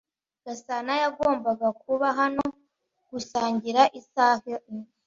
Gasana yagombaga kuba hano gusangira isaha imwe.